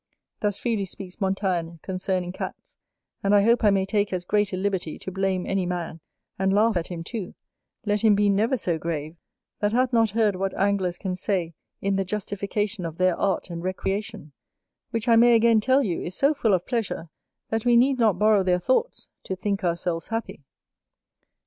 Thus freely speaks Montaigne concerning Cats; and I hope I may take as great a liberty to blame any man, and laugh at him too, let him be never so grave, that hath not heard what Anglers can say in the justification of their Art and Recreation; which I may again tell you, is so full of pleasure, that we need not borrow their thoughts, to think ourselves happy.